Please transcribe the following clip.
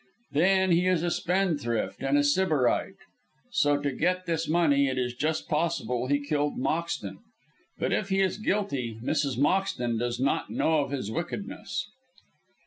Then he is a spendthrift and a Sybarite; so to get this money it is just possible he killed Moxton. But if he is guilty, Mrs. Moxton does not know of his wickedness."